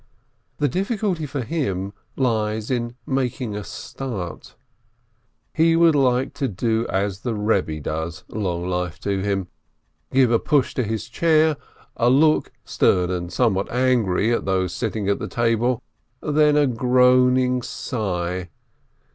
The difficulty for him lies in making a start. He would like to do as the Rebbe does (long life to him !)— give a push to his chair, a look, stern and somewhat angry, at those sitting at table, then a groaning sigh.